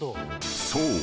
［そう。